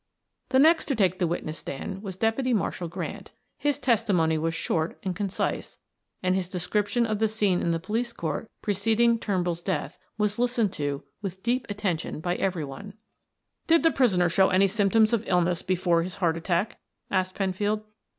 The next to take the witness stand was Deputy Marshal Grant. His testimony was short and concise, and his description of the scene in the police court preceding Turnbull's death was listened to with deep attention by every one. "Did the prisoner show any symptoms of illness before his heart attack?" asked Penfield.